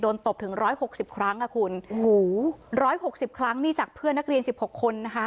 ตบถึงร้อยหกสิบครั้งอ่ะคุณโอ้โหร้อยหกสิบครั้งนี่จากเพื่อนนักเรียนสิบหกคนนะคะ